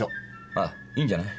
あっいいんじゃない？